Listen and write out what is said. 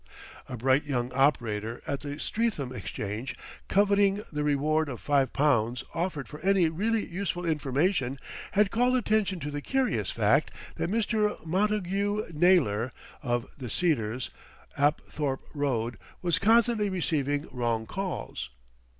A bright young operator at the Streatham Exchange, coveting the reward of five pounds offered for any really useful information, had called attention to the curious fact that Mr. Montagu Naylor, of "The Cedars," Apthorpe Road, was constantly receiving wrong calls.